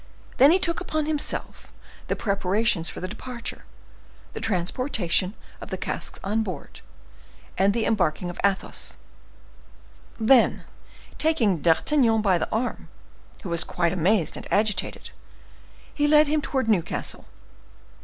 Then he took upon himself the preparations for the departure, the transportation of the casks on board, and the embarking of Athos; then, taking D'Artagnan by the arm, who was quite amazed and agitated, he led him towards Newcastle.